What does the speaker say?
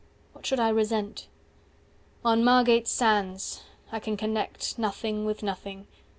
What should I resent?" "On Margate Sands. 300 I can connect Nothing with nothing.